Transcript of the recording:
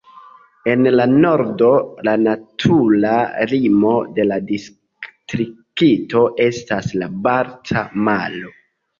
En la nordo, la natura limo de la distrikto estas la Balta Maro.